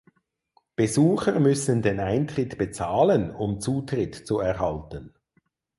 Besucher müssen den Eintritt bezahlen um Zutritt zu erhalten.